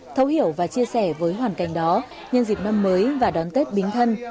thấu hiểu và chia sẻ với hoàn cảnh đó nhân dịp năm mới và đón tết bính thân